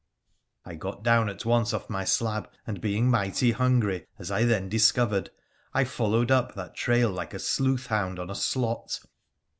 I got down at once off my slab, and, being mighty hungry, as I then discovered, I followed up that trail like a sleuth hound PUR A THE PHCEN1CIAN 115 on a slot.